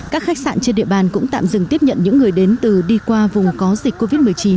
các khách sạn trên địa bàn cũng tạm dừng tiếp nhận những người đến từ đi qua vùng có dịch covid một mươi chín